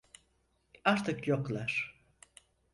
Artık yoklar.